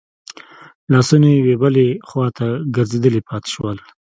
لاسونه يې يوې بلې خواته ځړېدلي پاتې شول.